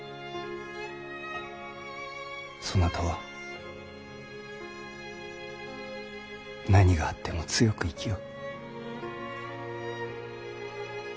そなたは何があっても強く生きよ。